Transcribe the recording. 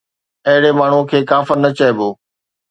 اهڙي ماڻهوءَ کي ڪافر نه چئبو